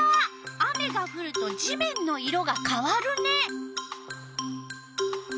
雨がふると地面の色がかわるね。